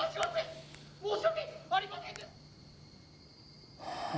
「申し訳ありません」。